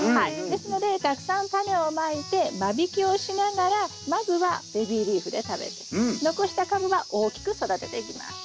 ですのでたくさんタネをまいて間引きをしながらまずはベビーリーフで食べて残した株は大きく育てていきます。